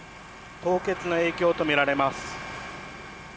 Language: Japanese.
凍結の影響とみられます。